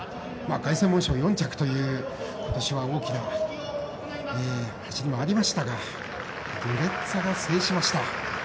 凱旋門賞４着という今年は大きな走りもありましたがドゥレッツァが制しました。